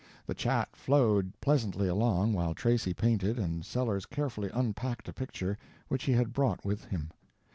The chat flowed pleasantly along while Tracy painted and Sellers carefully unpacked a picture which he had brought with him.